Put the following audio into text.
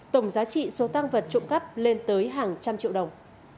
tổng giá trị số tăng vật trộm cắp lên tới hàng trăm triệu đồng